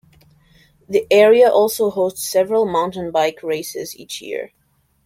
The area also hosts several mountain bike races each year.